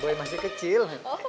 gue masih kecil